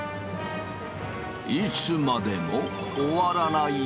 いつまでも終わらない！